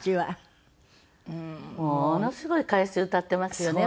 ものすごい回数歌っていますよね